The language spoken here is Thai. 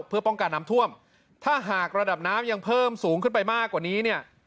เพื่อป้องกันน้ำท่วมถ้าหากระดับน้ำยังเพิ่มสูงขึ้นไปมากกว่านี้เนี่ย